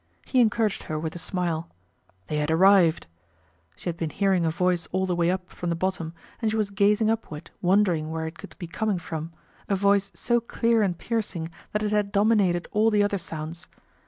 He encouraged her with a smile; they had arrived! She had been hearing a voice all the way up from the bottom and she was gazing upward, wondering where it could be coming from, a voice so clear and piercing that it had dominated all the other sounds.